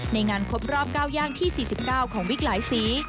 ในงานครบรอบ๙ย่างที่๔๙ของวิกหลายสี